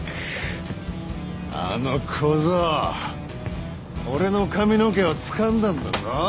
あの小僧俺の髪の毛をつかんだんだぞ！